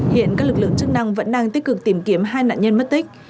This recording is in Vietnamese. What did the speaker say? hiện các lực lượng chức năng vẫn đang tích cực tìm kiếm hai nạn nhân mất tích